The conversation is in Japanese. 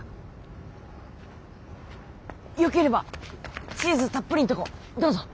よければチーズたっぷりんとこどうぞ！